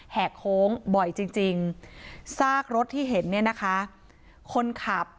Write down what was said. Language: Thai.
แหกโค้งบ่อยจริงจริงซากรถที่เห็นเนี่ยนะคะคนขับ